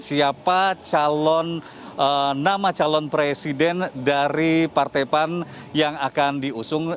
siapa calon nama calon presiden dari partai pan yang akan diusung